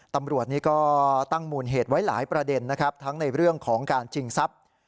ตำรวจนี้ก็ตั้งมูลเหตุไว้หลายประเด็นนะครับทั้งในเรื่องของการชิงทรัพย์